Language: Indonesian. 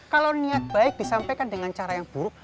kalau niat baik disampaikan dengan cara yang buruk